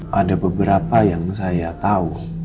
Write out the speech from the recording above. pada beberapa yang saya tahu